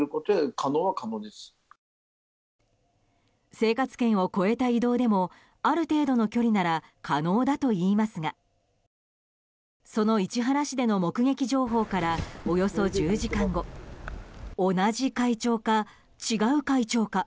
生活圏を越えた移動でもある程度の距離なら可能だといいますがその市原市での目撃情報からおよそ１０時間後同じ怪鳥か、違う怪鳥か。